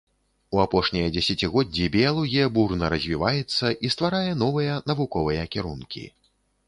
У апошнія дзесяцігоддзі біялогія бурна развіваецца і стварае новыя навуковыя кірункі.